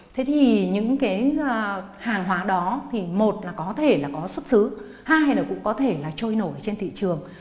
thế thì những cái hàng hóa đó thì một là có thể là có xuất xứ hai này cũng có thể là trôi nổi trên thị trường